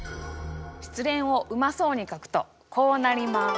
失恋をうまそうに書くとこうなります。